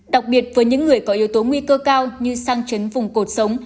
đặc biệt với những người có yếu tố nguy cơ cao như sang chấn vùng cột sống